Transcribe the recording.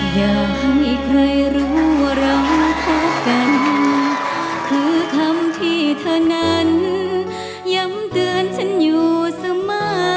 จำเดือนฉันอยู่เสมอ